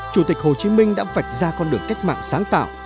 chủ tịch hồ chí minh đã vạch ra con đường cách mạng sáng tạo